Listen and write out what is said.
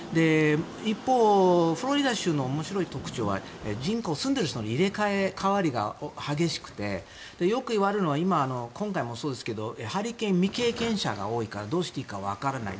一方、フロリダ州の面白い特徴は人口、住んでいる人の入れ替わりが激しくてよく言われるのが今回もそうですけどハリケーン未経験者が多いからどうしたらいいかわからない。